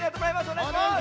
おねがいします。